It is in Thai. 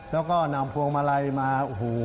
แล้วก็นำพวงมาลัยมา